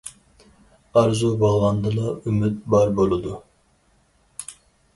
ئارزۇ بولغاندىلا ئۈمىد بار بولىدۇ.